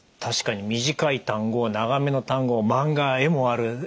確かに短い単語長めの単語マンガは絵もある。